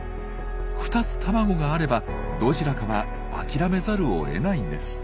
２つ卵があればどちらかは諦めざるを得ないんです。